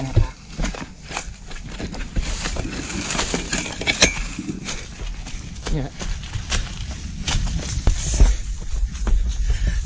ครับ